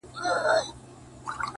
موږه سپارلي دي د ښكلو ولېمو ته زړونه!